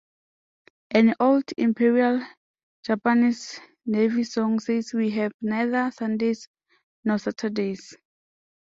An old Imperial Japanese Navy song says We have neither Sundays nor Saturdays!